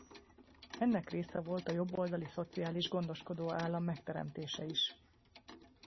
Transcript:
Ennek része volt a jobboldali szociális-gondoskodó állam megteremtése is.